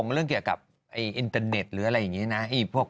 เรื่องเกี่ยวกับอินเตอร์เน็ตหรืออะไรอย่างนี้นะ